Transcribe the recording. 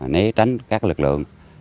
né tránh các lực lượng